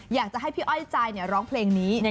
อยากจะให้พี่อ้อยใจร้องเพลงนี้